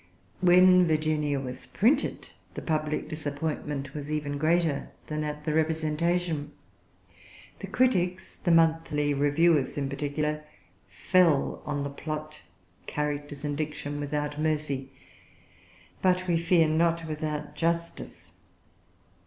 When Virginia was printed, the public disappointment was even greater than at the representation. The critics, the Monthly Reviewers in particular, fell on plot, characters, and diction without mercy, but, we fear, not without justice.